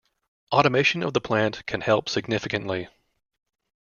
Automation of the plant can help significantly.